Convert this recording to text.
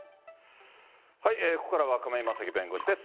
ここからは亀井正貴弁護士です。